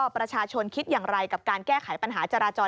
ประชาชนคิดอย่างไรกับการแก้ไขปัญหาจราจร